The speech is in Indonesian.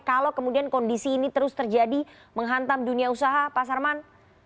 kalau kemudian kondisi ini terus terjadi menghantam dunia usaha pak sarman